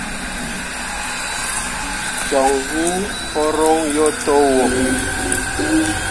Coŋ hii foroŋ yo to wo.